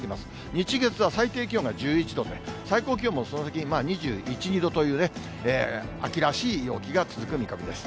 日、月は、最低気温が１１度で、最高気温もその先、２１、２度というね、秋らしい陽気が続く見込みです。